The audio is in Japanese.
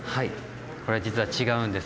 これ実は違うんです。